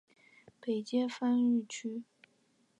北接番禺区。